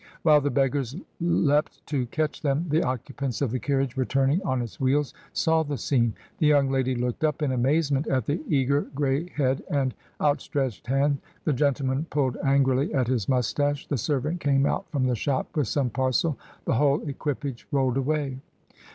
While the beggars leapt to catch them, the occupants of the carriage returning on its wheels saw the scene. The young lady looked up in amazement at the eager grey head and out stretched hand, the gentleman pulled angrily at his moustache, the servant came out from the shop with some parcel, the whole equipage rolled away.